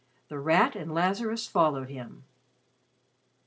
The Rat and Lazarus followed him.